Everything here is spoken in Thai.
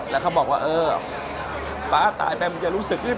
แล้วเขาบอกว่าป๊าตายไปมึงอย่ารู้สึกดิไหม